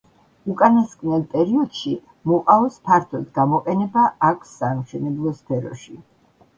უკანასკნელ პერიოდში მუყაოს ფართოდ გამოყენება აქვს სამშენებლო სფეროში.